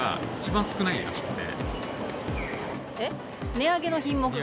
値上げの品目が？